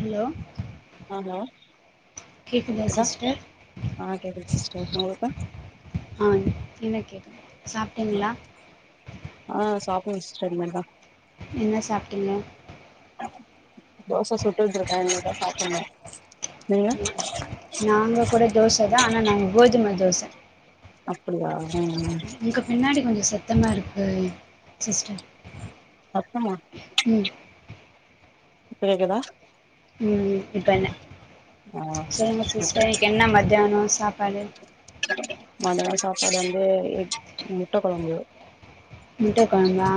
Hello ஆமா கேக்குதா sister ஆ கேக்குது சிஸ்டர் உங்களுக்கு ஆ எனக் கேக்கு சாப்ட்டீங்களா ஆ சாப்னு சிஸ்டர் இனிமேதா என்ன சாப்ட்டிங்க தோச சுட்டுட்டு இருக்கே இனிமே தா சாப்புனு நீங்க நாங்க கூட தோச தா ஆனா நாங்க கோதும தோச அப்பிடியா ம் ஒங்க பின்னாடி கொஞ்ச சத்தமா இருக்கு சிஸ்டர் சத்தமா ம் இப்ப கேக்குதா ம் இப்ப என்ன ஆ சொல்லுங்க ஓகே சிஸ்டர் இன்னைக்கு என்ன மத்தியானம் சாப்பாடு மதியானோ சாப்பாடு வந்து எக் முட்ட கொழம்பு முட்டை கொழம்பா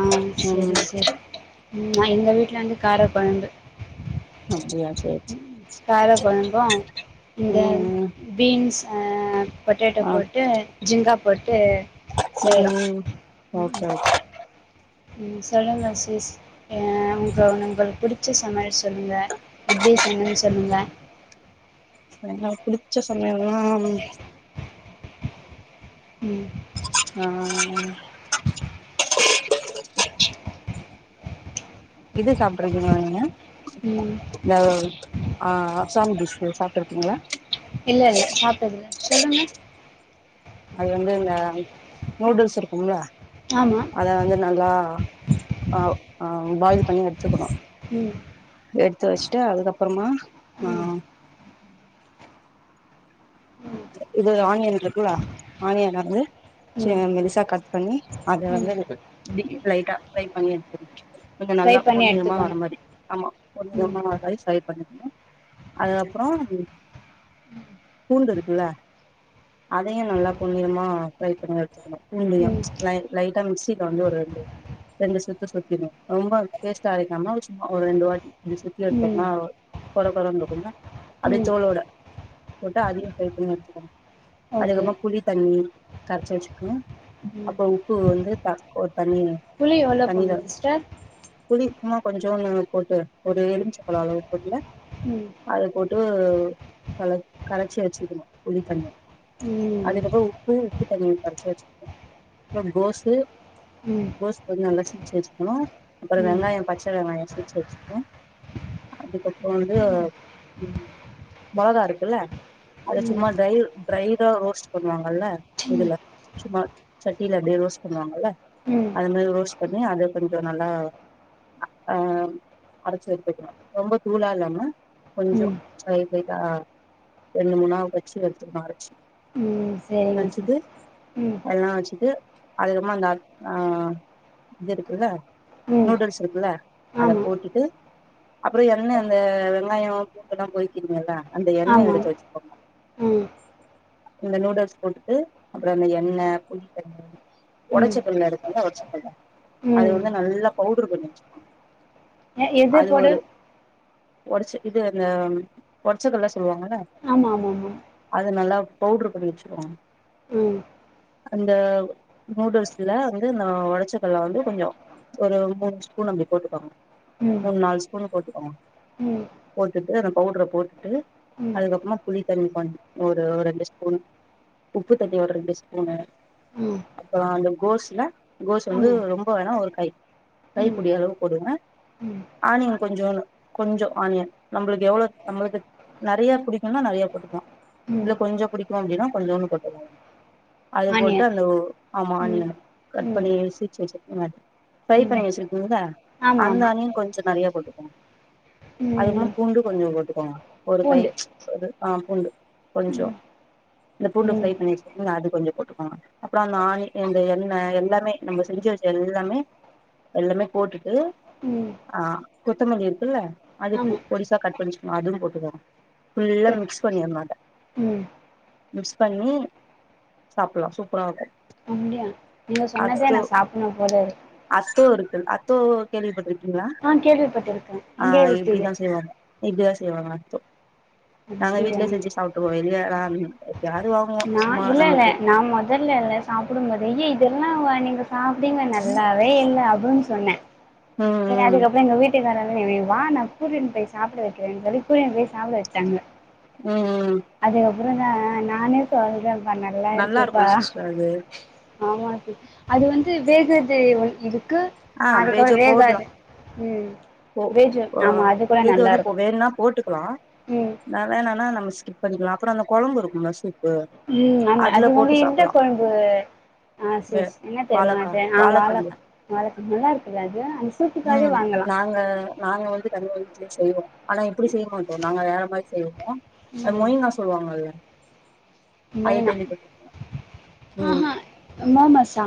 சேரி ம் சேரி நா எங்க வீட்ல வந்து கார கொழம்பு அப்டியா சேர் சே கார கொழம்பு இந்த ம் ம் பீன்ஸ் ஆ பொட்டேட்டோ ஆ போட்டு ஜிங்கா போட்டு ம் செய்கிறோம் ம் ம் ம். ஓகே ஓ ம் சொல்லுங்க சிஸ் அ உங்க உங்களுக்கு புடிச்ச சமையல் சொல்லுங்க எப்டி செய்யன்னு சொல்லுங்க எனக்கு புடிச்ச சமையல் னா ம் ஆ இது சாப்டுருக்கீங்களா நீங்க ம் இந்த ஆ அசாம் டிஷ்ஷு சாப்ட்ருக்கீங்ளா இல்ல இல்ல சாப்ட்டது இல்ல சொல்லுங்க அது வந்து இந்த நூடுல்ஸ் இருக்கும்ல ஆமாம் அத வந்து நல்லா ஆவ் ஆ பாயில் பண்ணி எடுத்துக்கணு ம் எத்து வச்சுட்டு அதுக்கப்புறமா ஆ ம் ம் இது ஆனியன் இருக்குல ஆனியன் வந்து ம் சின் மெலிசா கட் பண்ணி அத ம் வந்து பி லைட்டா ஃப்ரை பண்ணி எடுத்து கொஞ்ச ஃப்ரை நல்லா பண்ணி பொன் நிறமா வர எடுத்துக்கணும் மாரி ஆமா பொன் ம் நிறமா வர மாரி ஃப்ரை பண்ணணு அதுக்கப்புறமா பூண்டு இரு க்குல்ல அதையு நல்லா பொன் நிறமா ஃப்ரை பண்ணி எடுத்துக்கனு பூண்டையு ம் லை லைட்டா மிக்சில வந்து ஒரு ரெண்டு ரெண்டு சுத்து சுத்தினு ரொம்ப பேஸ்ட்டா அரைக்காம சும்மா ஒரு ரெண்டு வாட் இப்டி சுத்தி ம் எடுத்தோனா கொர கொரன் இருக்கும்ல அப்டியே ம் ஜோளோட போட்டு அதயு ஃப்ரை பண்ணி வச்சிகோங்க ஓகே அதுக்கப்புறோ புளி தண்ணி கரச்சு வச்சுகனு அப்பற உப்பு வந்து ஒரு தண்ணி புள்ளி எவ்ளோ தண்ணில போண்ணு சிஸ்டர் புளி சும்மா கொஞ்சோனு போட்டு ஒரு எலுமிச்ச பழோ அளவு போட்டுங்க ம் அத போட்டு நல்லா கரச்சி வச்சுகனு புளித்தண்ணிய ம் அதுக்கப்புறோ உப்பு உப்பு தண்ணிய கரச்சு வச்சுக்கனு அப்பறோ கோசு ம் ம் கோஸ் வந்து நல்லா சீச்சு வச்சுக்கனு அப்புறோ ம் வெங்காயோ பச்ச வெங்காயோ சீச்சு வச்சுக்கனு அதுக்கப்புற வந்து ம் மொளகா இருக்குல்ல அத ம் சும்மா ட்ரைல் ட்ரைடா ரோஸ்ட் பண்ணுவாங்கல்ல இதுல சும்மா சட்டில அப்டியே ரோஸ்ட் பண்ணுவாங்கல்ல ம் அது மாரி ரோஸ்ட் பண்ணி அத கொஞ்சோ நல்லா ஆ அரச்சு எடுத்துகணு ரொம்ப தூளா இல்லாம கொஞ்சோ ம் சை சைசா ரெண்டு மூணா வச்சு எடுத்துகனு ஆறு ம் சரிங்க வச்சுட்டு சிஸ் ம் எல்லா வச்சுட்டு அதுகப்றமா அந்த இது இருக்குல்ல ம் நூடுல்ஸ் இருக்குல்ல அத ஆமாம் போட்டுட்டு அப்புறோ எண்ண அந்த வெங்காயோ பூண்டுல்லா போயி இருக்கீங்களா அந்த எண்ண ஆமாம் எடுத்து வச் ம் இந்த நூடுல்ஸ் போட்டுட்டு அப்புறோ அந்த எண்ண புளித்தண்ணி ம் ஒடச்ச கல்ல எட்த் வந்தா வச்சுக்கங்க அது ம் வந்து நல்லா பவுடர் பண்ணி வச்சுக்கோங்க எ எது அது போடு ஒரு ஒடச்ச இது அந்த ஒடச்சகல்ல சொல்வாங்கல ஆமா மா மா அது நல்லா பவுட்ரு பண்ணி வச்சுக்கோங் அந்த நூடுல்ஸ்ல வந்து நா ஒடச்சக்கல்ல வந்து கொஞ்சோ ஒரு மூணு ஸ்பூன் அப்டி போட்டுக்கோங்க ஆமாம் மூணு நாலு ஸ்பூன் போட்டுக்கோங்க ம் ம் ம் போத்துட்டு அந்த பவுடர போட்டு ம் அதுக்கப்புறமா புளி தண்ணி பண்ணு ஒரு ரெண்டு ஸ்பூன் உப்பு தண்ணி ஒரு ரெண்டு ஸ்பூனு ம் அப்பறோ அந்த கோஸ்ல கோஸ் வந்து ஆமாம் ரொம்ப வேணா ஒரு கை ம் கைப்புடி அளவு போதுங்க ம் ஆனியன் கொஞ்சோன்னு கொஞ்சோ ஆனியன் நம்மளுக்கு எவ்வளோ நம்மளுக்கு நெறைய புடிக்குன்னா நெறைய போட்டுக்கு இல்ல ம் கொஞ்சோ புடிக்கு அப்டின்னா கொஞ்சோன்டு போட்டுகலா அது போட்டு ஆனியன் அந்த ஓ ஆமா ம் ஆனியன் கட் ம் பண்ணி வசிச்சு வச்சிருக்கீங்க ஃப்ரை ம் பண்ணி வச்சிருக்கீங்கள ஆமாம் அந்த ஆமாம் ஆனியன் கொஞ்சோ நெறைய போட்டுக்கோங்க அதுமாரி ம் பூண்டு கொஞ்சோ போட்டுக்கோங்க ஒரு கை பூண்டு ஒரு ஆ பூண்டு கொஞ்சோ இந்த பூண்டு ம் ஃப்ரை பண்ணி வச்சுக்கா அது கொஞ்சோ போட்டுக்கோங்க அப்புறோ அந்த ஆணி இந்த எண்ணெ எல்லாமே நம்ம செஞ்சு வச்ச எல்லாமே எல்லமே போட்டுட்டு ம் ஆ கொத்தமல்லி இருக்குல்ல அது ஆமாம் பொடிசா கட் பண்ணிச்சுக்கு அதுவு போட்டுகோங்க ஃபுல்லா சரி மிக்ஸ் பண்ணியர்னு அத ம் மிக்ஸ் பண்ணி சாப்ட்லா சூப்பரா இருக்கு நீங்க சொன்னதே அத்தோ நா சாப்புட்னு போல இருக் அத்தோ இருக்கு அத்தோ கேள்விப்பட்டிருக்கீங்களா ஆ கேள்விப்பட்டிருக்கேன் ஆ இங்கே விற்கிது இப்டிதா செய்வாங்க இப்டிதா செய்வாங்க அத்தோ நாங்க வீட்லே அப்படியா செஞ்சு சாப்புட்டுவோ வெளிய வாங்க யாரூ நா இல்ல இல்ல நா மொதல்ல ல்ல சாப்புடும்மோது ஏ இதெல்லா வ நீங்க சாப்டிங்க நல்லாவே இல்ல அப்புன்னு சொன்னே ம் செரி ம் அதுக்கப்ற இந்த வீட் வீட்டுக்காரங்க நீ வா நா கூட்டின் பேய் சாப்ட வெக்கிறே சொல்லி கூட்டின் போய் சாப்ட வெச்சாங்க ம் ம் அதுக்கப்ற நா நானே சொல்றெம்ப்பா நல்லா நல்லாருக்குப்பா இருக்கு சிஸ்டர் அது ஆம்மா சிஸ் அது வந்து வேகுது கொஞ்ச இக்கு ஆ அதுக்க பேஜோ போட்லா வேகாது ம் போ வேஜு அ ஆமா அது கூட வேஜ்ஜி நல்லா வந்து போ இருக்கு வேண்னா போட்டுக்குலா ம் அ வேணான்னா நம்ம ஸ்கிப் பண்ணிக்குலா அப்பற அந்தகொழம்பு இருக்கும்ல ஸ்விப் ம் ஆம்மா அது வந்து இந்த கொழம்பு ஆ வே செர் செ சின்ன தெரிம்மா வாழக்கா தே ஆ வாழத்தண்டு வாழக் வளக்கம்அல்லா இருக்காது அந் சூப்புக்காக வாங்கலா அங்க நாங்க வந்து தஞ்சாவு வீட்லே செய்வோ ஆனா இப்புடி செய் மாட்டோ நாங்க வேற மாரி செய்வோ அது ம் மொய்ன்னா சொல்லுவாங்கல்ல அது மெயினா கேள்விபட்ருக் ம் எம் ம மஸ் ஸா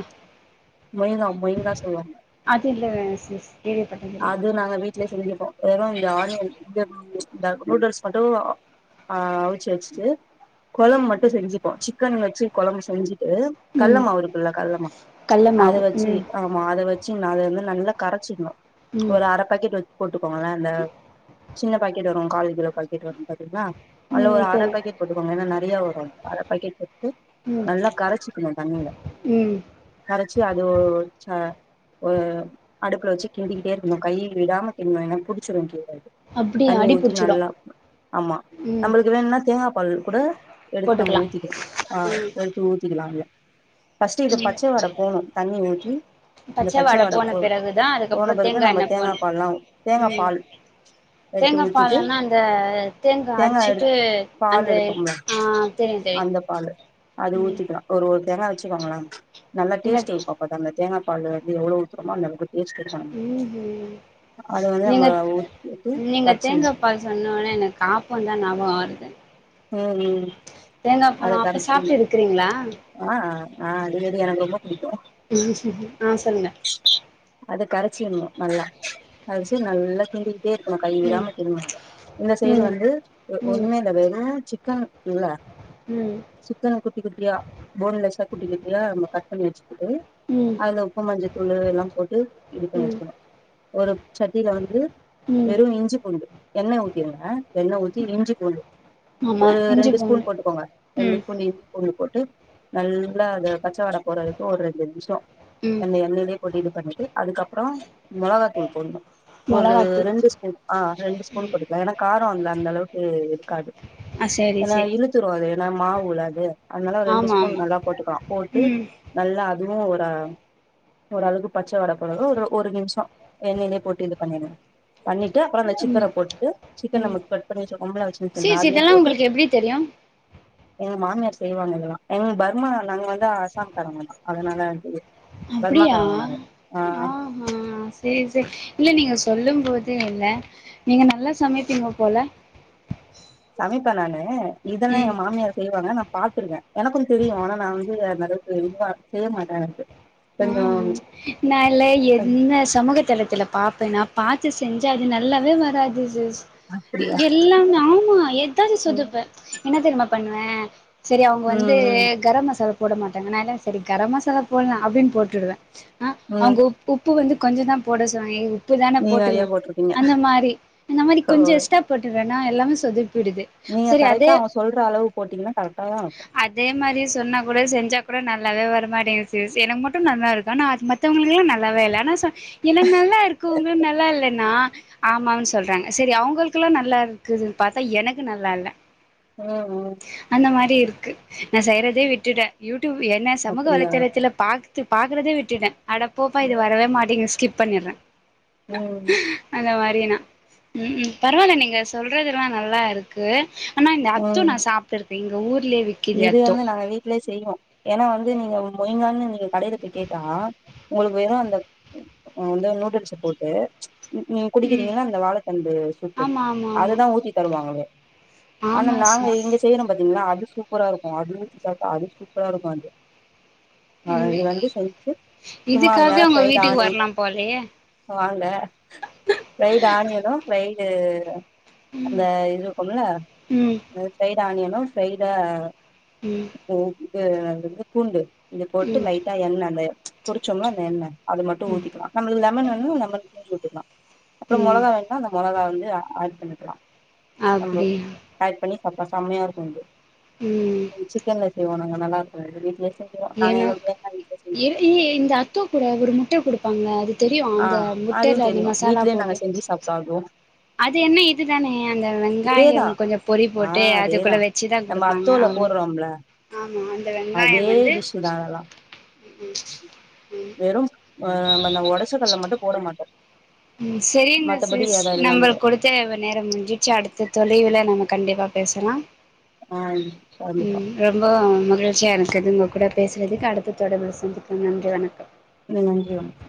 மொய்ங்கா மொயிங்கா சொல்வாங்க அதுல்ல சிஸ் கேள்விப்பட்டதில்ல அது நாங்க வீட்லே செஞ்சுப்போ வெறு இந்த ஆனியன் ந்த நூடுல்ஸ் மட்டூ ஆ அவுச்சாச்சு கொழம் மட்டு செஞ்சுப்போ சிக்கன் வச்சு கொழம்பு செஞ்சுட்டு ம் கல்லமாவு இருக்குல்ல கல்லமா கல்ல அத மாவு வச்சீ ம் அ மா அத வச்சு நா அதவந்து நல்லா கரச்சிக்ணு ம் ஒரு அர பாக்கெட் வச் போட்டுக்கோங்களெ இந்த சின்ன பாக்கெட் வரு கால்கிலோ பாக்கெட் வரு பாத்தீங்ளா அல ஒரு ம் அர தெரியு பாக்கெட் போட்டுக்கோங்க என்னா நறைய வரு அர பாக்கெட் ப்பி ம் நல்லா கரைச்சிக்கிங்க தண்ணில ம் கரச்சி அதுவ் அ ஒ அடுப்ல வச்சு கிண்டிக்கிட்டே இருக்குணு கை விடாமா கிண்னு என்னா புடிச்சுரு கில அப்டியே தண்ணி அடி ஊததி புடிச்சிடு நல்லா ஆம்மா ம் நம்பளுக் வேண்னா தேங்கா பால் கூட எடுத் நம்ம போட்டுக்கலா ஊத்திக்கிலா ம் ஆ தூத்திக்கிலாம் அதுல ஃபஸ்ட் இத பச்ச வாட போணூ தண்ணி ஊத்தி பச்ச வாட போன பிறகு போன பிறக் தா நம்ம தேங்கா பால்லா ம் தேங்காபால் தேங்கா பால்லன்னா அந்த தேங்கா அடிச்சிட்டு அந்த பால் எடுப்போம்ல ஆ தெரியு தெரியு அந்த பாலு அது ஊத்திக்கலா ஒரு ஒரு தேங்கா வச்சுக்கோங்கலே நல்லா நீங்க டேஸ்ட் இருக்கு பத்தாங்க அந்த தேங்கா பால்லு வந்து எவ்ளோ ஊத்துரம்மோ அந்தளவுக்கு டேஸ்ட் தம் ம்ஹும் அது வந்து நம்ம நீங்க ஊத்திட்டு நீங்க பச்ச தேங்கா பால் சொன்னோன எனக் ஆப்பொந்தா ஞாபொ வருது உம் ம் தேங்கா அத பழொ ஆப்பி கரச்சிர்னு சாப்ட்டு இருக்குறீங்களா ஆ அ அ அடிக்கடி எனக்கு ரொம்ப புடிக்கு ம்ஹி ஆ சொல்லுங்க அது கரைச்சிர்னு நல்லா கரைச்சு நல்ல கிண்டிக்கிட்டே இருக்ணு கை ம் விடாம கிண் இந்த சைடு ம் வந்து ஒ ம் ஒண்ணுமே இல்ல வெறு சிக்கன் ரில்ல ம் சிக்கன குட்டி குட்டியா போன்லெஸா குட்டி குட்டியா நம்ப கட் கட் பண்ணி வச்சுக்கிட்டு ம் அதுல உப்பு மஞ்சத்தூள் இது எல்லா போட்டு இது பண்ணி ம் வச்சுக்கனு ஒரு சட்டில வந்து ம் வெறு இஞ்சி பூண்டு எண்ணெய ஊத்திருங்க எண்ணெ ஊத்தி இஞ்சி பூண்டு ஆமா ஒரு இஞ்சி ரெண்டு ஸ்பூன் பூண்டு போட்டுக்கோங்க ரெண்டு ம் ஸ்பூன் இஞ் பூண்டு போட்டு நல்லா அத பச்சவாட போற வரைக்கு ஒரு ரெண்டு நிமிஷோ ம் அந்த எண்ணெயிலயே கொட்டிட்டு இது பண்ணிட்டு அதுக்கப்றம் மொளகாத்தூள் போடணு ஒரு மொளகாத்தூள் ரெண்டு ஸ்பூன் ஆ ரெண்டு ஸ்பூன் போட்டுக்கலா ஏன்னா கார வந்து அந்த அளவுக்கு இருக்காது ஆ சேரி ஏன்னா சேரி இழுத்துரு அது ஏன்னா மாவுல அது அதனால ரெண்டு ஆமா ஸ்பூன் ஆமா நல்லா போட்டுக்கலா போட்டு ம் நல்லா அதுவு ஒர ஒரளவுக்கு பச்ச வாட போனது ஒரு ஒரு நிமிஷம் எண்ணெய்லயே போட்டு இது பண்ணிருங்க பண்ணிட்டு அப்றம் அந்த ம் சிக்கன போட்டுட்டு சிக்கன் ம் நமக்கு கட் பண்ணி வச்சிருக்கோம்ல சின்ன சின்னதா அதையும் போட்டு இது எப்டி தெரியு எங்க மாமியார் செய்வாங்க இதெல்லா எங்க பர்மா நாங்க வந்து ஆசாம் காரவங்க தா அதனால தெரியு அப்டியா ஆமா சே சேரி இல்ல நீங்க சொல்லும் போதே இல்ல நீங்க நல்லா சமைப்பீங்க போல சமைப்பே நானு இதெல்லா எங்க ம் மாமியார் செய்வாங்க நா பாத்திருக்கே எனக்கு தெரியு அனா நா வந்து நெறைய இது வந்து நா செய்ய மாட்டன்டு கொஞ்சோ நான்ல என்ன சமூக தலத்துல பாப்பேன்னா பாத்து செஞ்சா அது நல்லாவே வராது அப்டியா எல்லாமே ஆமா ஏதாது ம் சொதுப்பு என்ன தெரியுமா பண்ணுவே செரி அவங்க வந்து ம் கர மசாலா போட மாட்டாங்க நா என்ன சரி கரம் மசாலா போடலா அப்டின் போட்டுடுவ ஆ ம் அவங்க உப் உப்பு வந்து கொஞ்ச தா போட சொன்னாங்க உப்பு தான நீங்க போட்டுல்ல நெறையா போட்ருக்கீங்க அந்த மாரி அந்த மாரி ஓ கொஞ்ச எஸ்டா போட்டுறேன்னா எல்லா சொதப்பிடுது நீங்க சரி அதே கரெக்டா அவங்க சொல்ற அளவு போட்டீங்கன்னா கரெக்டா தா இருக்கு இதே மாரி சொன்னா கூட செஞ்சா கூட நல்லாவே வரமாட்டேங்குது சிஸ் என்னமா ட்டு நல்லா இருக்கு அனா அது மத்தவங்களுக்குல்லா நல்லாவே ஆனா எனக்கு நல்லா இருக்கு உங்களுக்கு நல்லா இல்லன்னா ஆமாவனு சொல்றாங்க சரி அவங்களுக்லாம் நல்லா இருக்குதுன்னு பாத்தா எனக்கு நல்லா இல்ல ம் ம் அந்த மாரி இருக்கு நா செய்யறதே விட்டுட யூடியூப் என்ன சமூக அப்டியா வலைதளத்துல பாக் து பாக்குறதே விட்டுட்ட அட போப்பா இது ம் வரவே மாட்டிங்குது ஸ்கிப் பண்ணிர்றே ம் அந்த மாரி நா ம் பரவாயில்ல நீங்க சொல்றதுலாம் நல்லா இருக்கு அனா இந்த அத்தோ ம் நா சாப்ட்டுருக்கேன் இங்க ஊர்லயே விக் இது வந்து நாங்க வீட்லயே செய்வோ ஏன்னா வந்து நீங்க மொயிங்கான்னு நீங்க கடையில போய் கேட்டா உங்களுக்கு வெறும் அந்த இந்த நூடுல்ஸ போட்டு ம் ம் குடிக்கிறீங்கன்னா இந்த வாழைத்தண்டு சூப் ஆமா ஆமா ஆமா அததா ஊத்தி தருவாங்களே ஆனா ஆமா நாங்க சிஸ் இங்க செய்யறோ பாத்தீங்கன்னா அது சூப்பரா இருக்கு அது ஊத்தி சாப்பிட்டா அது சூப்பரா இருக்கு அது ஆ நீங்க இது வந்து செஞ்சுட்டு சும்மா அது இதுக்காக மேல உங்க ப்ரைடு வீட்டுக்கு ஆனியனு வரலாம் போலயே வாங்க ஃப்ரைடு ஆனியனு ஃப்ரைடு அந்த இது இருக்கும்ல ம் ஃப்ரைடு ஆனியனும் ஃப்ரைடு ம் அது எனக்கு பூண்டு இது போட்டு ம் நை எண்ண அந்த பொறிச்சோம்ல அந்த எண்ண அது மட்டு ஊத்திக்லா நம்மளுக் லெமன் வேணுனா லெமன் பிழிஞ்சி விட்டுக்லா அப்புறோ ம் மெளகா வேணுனா அந்த மெளகா வந்து ஆட் பண்ணிக்லா அப்டியா அட் பண்ணி சாப்ட்டா செம்மையா இருக்கு இது ம் சிக்கன்ல செய்வோ நாங்க நல்லா இருக்கு வீட்லே செஞ் ஏனா ஏ இந்த அத்தோ கூட ஒரு முட்டை குடு பாங்க்ல அது தெரியு ஆ அந்த முட்டையில அந்த மசாலா போட்டு டாங்கோ அது என்ன இதுதானே அந்த இதேதா வெங்காயம் கொஞ்சோ பொறி ஆ போட்டு அதேதா அதுக்குள்ள வச்சுதா நம்ம குடுப்பாங்க அத்தோல அவ்ளோ போடுறோம்ல ஆமா அதே டிஷ்ஷூ தா இதெல்லா ம்ம் வெறு அ நம்ம அந்த ஒடச்ச கல்ல மட்டு போட மாட்டோ சேரிங்க மத்தபடி சிஸ் அத எல்லா நம்பர் குடுத்து தேவ நேரோ முடின்ச்சுச்சீ அடுத்த தொலைவுல நம்ம கண்டிப்பா பேசலா ஆன்ஜ் கண்டிப்பா ரொம்போ மகிழ்ச்சியா இருக்குது உங்க கூட பேசுரதுக்கு அடுத்த தொடர்புல்ல சந்திபோம் நன்றி வணக்கம் ந நன்றி வணக்கம்